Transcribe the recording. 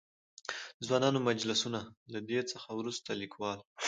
د ځوانانو مجلسونه؛ له دې څخه ورورسته ليکوال.